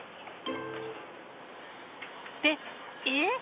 ってえっ！